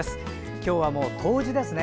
今日はもう冬至ですね。